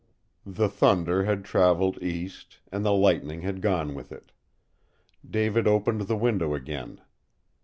The thunder had traveled east, and the lightning had gone with it. David opened the window again.